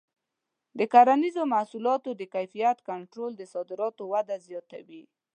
د کرنیزو محصولاتو د کیفیت کنټرول د صادراتو وده زیاتوي.